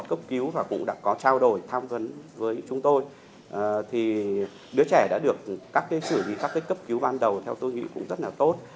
cấp cứu và cũng đã có trao đổi tham vấn với chúng tôi thì đứa trẻ đã được các xử lý các cấp cứu ban đầu theo tôi nghĩ cũng rất là tốt